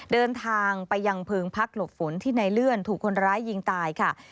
เดินทางไปยังเพิงพักหลบฝนที่ในเลื่อนถูกคนร้ายยิงตายค่ะ